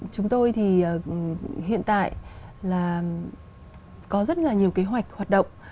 chúng tôi thì hiện tại là có rất là nhiều kế hoạch hoạt động